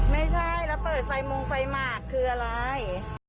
ไม่ใช่แล้วเปิดไฟมงไฟหมากคืออะไร